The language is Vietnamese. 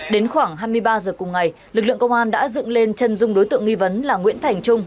đến khoảng hai mươi ba h cùng ngày lực lượng công an đã dựng lên chân dung đối tượng nghi vấn là nguyễn thành trung